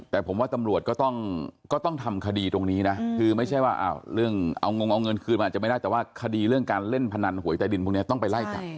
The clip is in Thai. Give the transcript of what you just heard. แต่ผมว่าตำรวจก็ต้องทำคดีตรงนี้นะคือไม่ใช่ว่าเรื่องเอางงเอาเงินคืนมันอาจจะไม่ได้แต่ว่าคดีเรื่องการเล่นพนันหวยใต้ดินพวกนี้ต้องไปไล่จับ